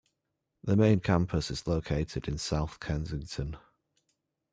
The main campus is located in South Kensington.